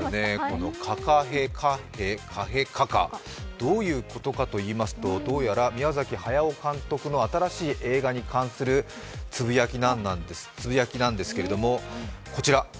このカカヘカッヘカヘカカッ、どういうことかといいますと、どうやら宮崎駿監督の新しい映画に関するつぶやきなんですけれども、こちら。